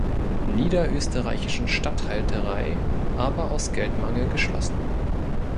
Niederösterreichischen Statthalterei aber aus Geldmangel geschlossen.